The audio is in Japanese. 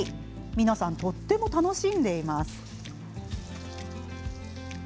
皆さん、とっても楽しんでいます。